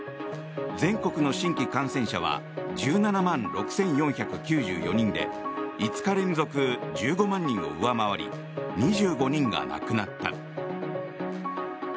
全国の新規感染者は１７万６４９４人で５日連続１５万人を上回り２５人が亡くなった。